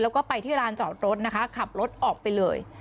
แล้วก็ไปที่ร้านจอดรถนะคะขับรถออกไปเลย